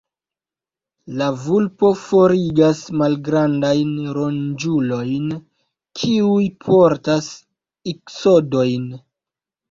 La vulpo forigas malgrandajn ronĝulojn, kiuj portas iksodojn.